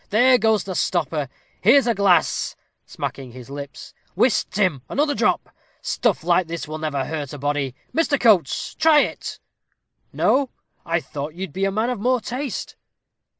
there goes the stopper here's a glass" smacking his lips "whist, Tim, another drop stuff like this will never hurt a body. Mr. Coates, try it no I thought you'd be a man of more taste."